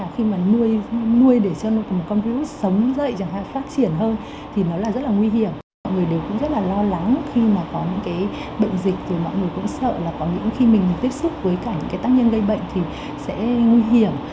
khi mà có những cái bệnh dịch thì mọi người cũng sợ là có những khi mình tiếp xúc với cảnh cái tác nhân gây bệnh thì sẽ nguy hiểm